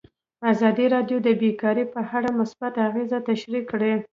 ازادي راډیو د بیکاري په اړه مثبت اغېزې تشریح کړي.